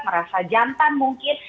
merasa jantan mungkin